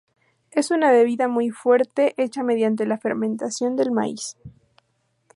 Es una bebida muy fuerte hecha mediante la fermentación del maíz.